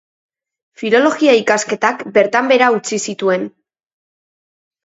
Filologia ikasketak bertan behera utzi zituen.